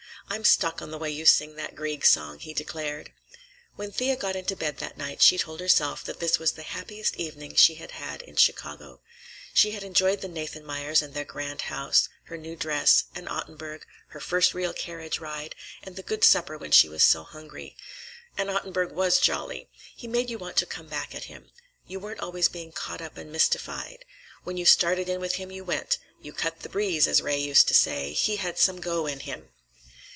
"I'm stuck on the way you sing that Grieg song," he declared. When Thea got into bed that night she told herself that this was the happiest evening she had had in Chicago. She had enjoyed the Nathanmeyers and their grand house, her new dress, and Ottenburg, her first real carriage ride, and the good supper when she was so hungry. And Ottenburg was jolly! He made you want to come back at him. You weren't always being caught up and mystified. When you started in with him, you went; you cut the breeze, as Ray used to say. He had some go in him.